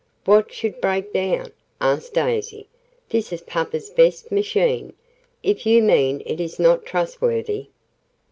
"What should break down?" asked Daisy. "This is papa's best machine, if you mean it is not trustworthy."